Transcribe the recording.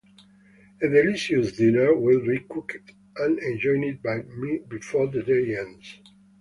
A delicious dinner will be cooked and enjoyed by me before the day ends.